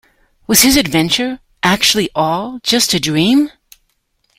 Was his adventure actually all just a dream?